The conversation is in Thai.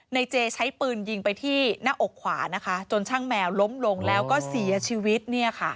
เจใช้ปืนยิงไปที่หน้าอกขวานะคะจนช่างแมวล้มลงแล้วก็เสียชีวิต